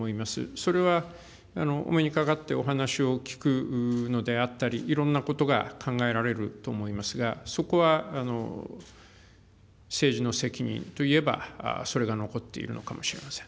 それは、お目にかかってお話を聞くのであったり、いろんなことが考えられると思いますが、そこは政治の責任といえば、それが残っているのかもしれません。